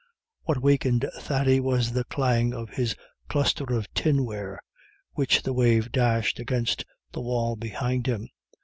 What wakened Thady was the clang of his cluster of tinware, which the wave dashed against the wall behind him.